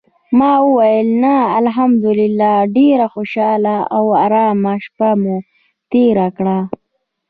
ما ویل: "نه، الحمدلله ډېره خوشاله او آرامه شپه مو تېره کړه".